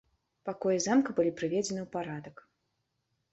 Пакоі замка былі прыведзены ў парадак.